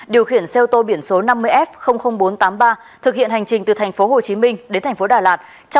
điều khiển xe ô tô biển số năm mươi f bốn trăm tám mươi ba thực hiện hành trình từ tp hcm đến tp đà lạt